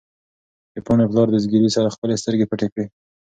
د پاڼې پلار د زګېروي سره خپلې سترګې پټې کړې.